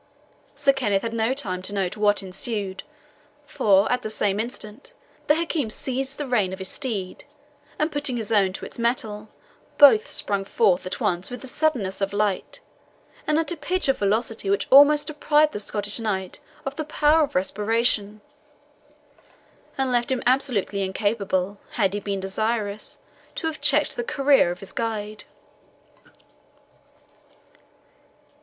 Sir Kenneth had no time to note what ensued; for, at the same instant, the Hakim seized the rein of his steed, and putting his own to its mettle, both sprung forth at once with the suddenness of light, and at a pitch of velocity which almost deprived the Scottish knight of the power of respiration, and left him absolutely incapable, had he been desirous, to have checked the career of his guide.